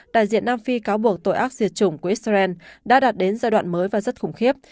đại diện nam phi cáo buộc tội ác diệt chủng của israel đã đạt đến giai đoạn mới và rất khủng khiếp